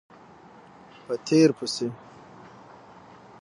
په تېر پسې